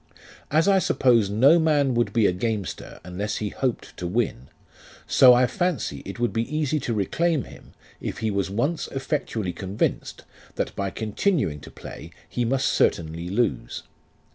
As I suppose no man would be a gamester unless he hoped to win, so I fancy it would be easy to reclaim him, if he was once effectually convinced, that by continuing to play he must certainly lose.